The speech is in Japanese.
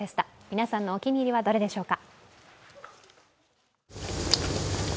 皆さんのお気に入りはどれでしょうか。